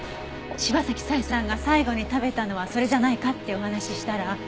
柴崎佐江さんが最後に食べたのはそれじゃないかってお話ししたら。